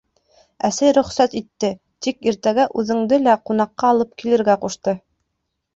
— Әсәй рөхсәт итте, тик иртәгә үҙеңде лә ҡунаҡҡа алып килергә ҡушты.